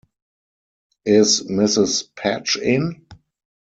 Is Mrs. Patch in?